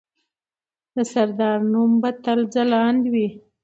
د سردار نوم به تل ځلانده وي.